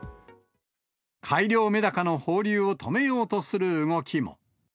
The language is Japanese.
改良メダカの放流を止めようとする動きも。